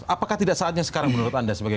apakah tidak saatnya sekarang menurut anda sebagai